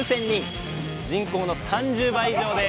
人口の３０倍以上ですえすごい！